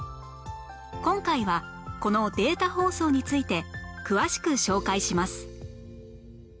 今回はこのデータ放送について詳しく紹介します